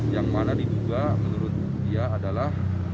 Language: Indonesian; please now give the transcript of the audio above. yang mana diduga menurut dia adalah